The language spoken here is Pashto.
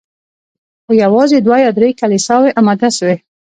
خو یوازي دوه یا درې کلیساوي اماده سوې